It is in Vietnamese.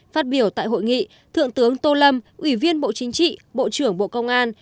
phát biểu tại hội nghị thượng tướng tô lâm ủy viên bộ chính trị bộ trưởng bộ công an